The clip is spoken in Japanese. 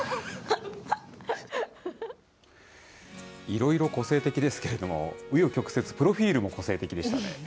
いろいろ個性的ですけれども、う余曲折、プロフィールも個性的でしたね。